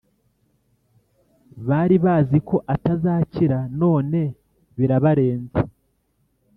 Baribaziko atazakira none birabarenze